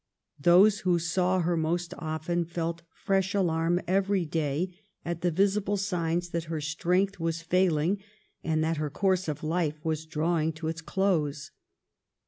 Those who saw her most often felt fresh alarm every day at the visible signs that her strength was failing, and that her course of life was drawing to its close.